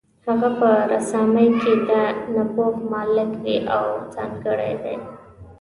هغه په رسامۍ کې د نبوغ مالک وي او ځانګړی دی.